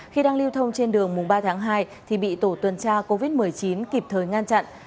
khi đang lưu thông trên đường mùng ba tháng hai thì bị tổ tuần tra covid một mươi chín kịp thời ngăn chặn